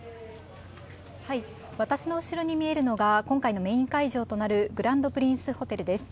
私の後ろに見えるのが、今回のメイン会場となるグランドプリンスホテルです。